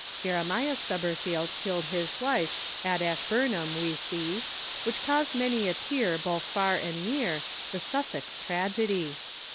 Jeremiah Stubberfield killed his wife, At Ashburnham, we see, Which caused many a tear both far and near, The Sussex tragedy.